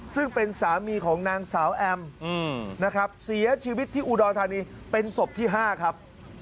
ซึ่งเป็นสามีของนางสาวแอมนะครับเสียชีวิตที่อุดรธานีเป็นศพที่๕ครับ